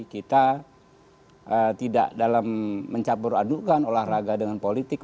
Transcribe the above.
kita tidak dalam mencabur adukan olahraga dengan politik